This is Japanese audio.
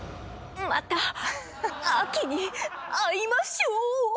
また秋に会いましょう！